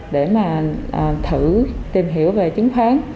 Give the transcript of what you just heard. để mà thử tìm hiểu về chứng khoán